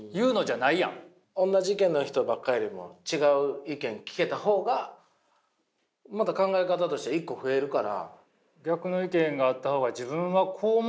おんなじ意見の人ばっかりよりも違う意見聞けた方がまた考え方として一個増えるから。